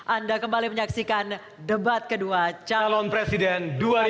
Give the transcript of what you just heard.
anda kembali menyaksikan debat kedua calon presiden dua ribu sembilan belas